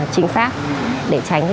chính xác để tránh